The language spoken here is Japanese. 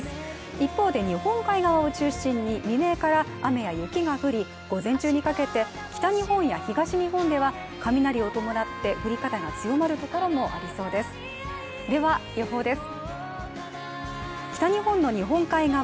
一方で日本海側を中心に未明から雨や雪が降り午前中にかけて北日本や東日本では雷を伴って、降り方が強まるところもありそうです。